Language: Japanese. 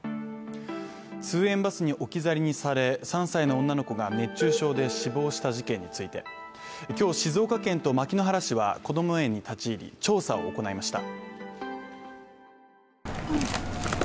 通園バスに置き去りにされ、３歳の女の子が熱中症で死亡した事件について今日、静岡県と牧之原市はこども園に立ち入り、調査を行いました。